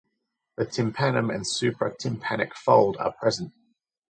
The tympanum and supratympanic fold are present.